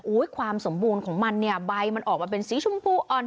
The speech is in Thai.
ความสมบูรณ์ของมันเนี่ยใบมันออกมาเป็นสีชมพูอ่อน